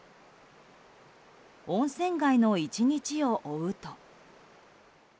温泉街の１日を追うと。